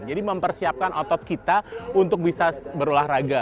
jadi mempersiapkan otot kita untuk bisa berolahraga